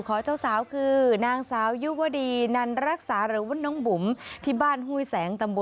โอ้หล่อเทศเลยครับ